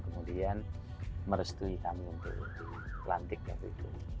kemudian merestui kami untuk dilantik waktu itu